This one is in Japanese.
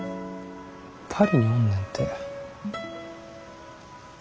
パリにおんねんて。